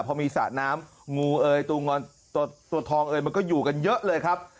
พอมีสระน้ำงูเอยตัวทองเอยมันก็อยู่กันเยอะเลยครับ